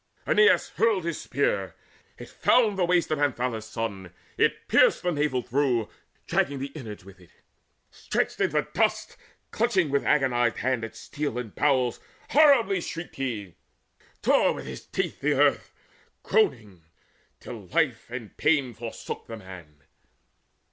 Aeneas hurled his spear; it found the waist Of Anthalus' son, it pierced the navel through, Dragging the inwards with it. Stretched in dust, Clutching with agonized hands at steel and bowels, Horribly shrieked he, tore with his teeth the earth Groaning, till life and pain forsook the man.